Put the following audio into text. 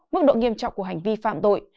mức độ nghiêm trọng của hành vi phạm tội